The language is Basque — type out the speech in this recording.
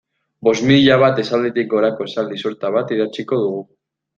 Bost mila bat esalditik gorako esaldi sorta bat idatziko dugu.